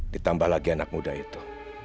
ditambah lagi anak muda itu